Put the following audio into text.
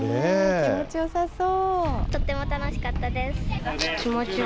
気持ちよさそう。